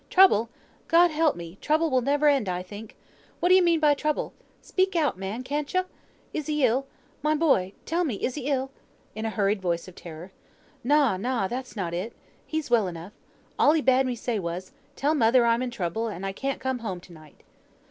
"Trouble! God help me, trouble will never end, I think. What d'ye mean by trouble? Speak out, man, can't ye? Is he ill? My boy! tell me, is he ill?" in a hurried voice of terror. "Na, na, that's not it. He's well enough. All he bade me say was, 'Tell mother I'm in trouble, and can't come home to night.'"